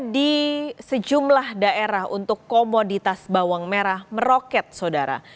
di sejumlah daerah untuk komoditas bawang merah meroket saudara